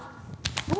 お！